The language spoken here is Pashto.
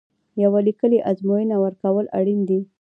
یوه لیکلې ازموینه ورکول اړین دي.